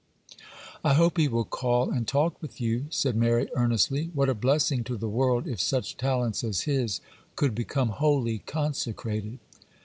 'I hope he will call and talk with you,' said Mary, earnestly. 'What a blessing to the world if such talents as his could become wholly consecrated!